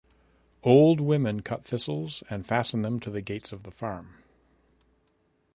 Old women cut thistles and fasten them to the gates of the farm.